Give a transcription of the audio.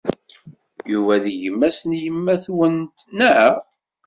Yuba d gma-s n yemma-twent, naɣ?